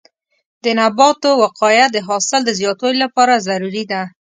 د نباتو وقایه د حاصل د زیاتوالي لپاره ضروري ده.